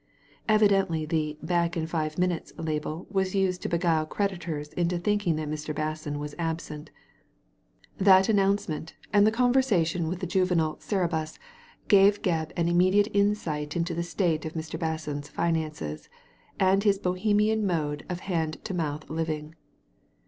Evidently the " Back in five minutes " label was used to beguile creditors into thinking that Mr. Basson was absent That announcement, and the conversation with the Digitized by Google MISS WEDDERBURN 163 juvenile Cerberus, gave Gebb an immediate insight into the state of Mr. Basson's financeSp and his Bohemian mode of hand to mouth living.